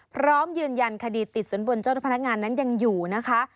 พร้อมยืนยันคดีติดสินบนเจ้าพนักงานนั้นยังอยู่นะคะ